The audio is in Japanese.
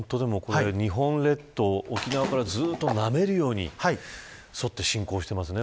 日本列島沖縄からなめるように沿って、進行してますね